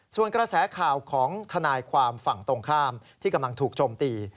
ส่วนกระแสข่าวของทนายความฝั่งตรงข้ามที่กำลังถูกโจมตี